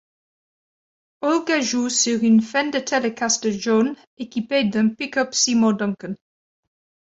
Olga joue sur une Fender Telecaster jaune équipée d'un pick-up Seymour Duncan.